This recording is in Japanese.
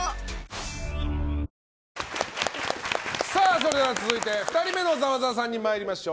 それでは続いて２人目のざわざわさんに参りましょう。